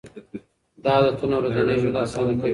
دا عادتونه ورځنی ژوند اسانه کوي.